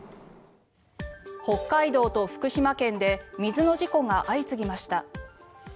北海道と福島県で水の事故が相次ぎました。